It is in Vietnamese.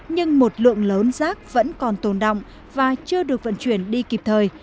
nhưng một lượng lớn rác vẫn còn tồn động và chưa được vận chuyển đi kịp thời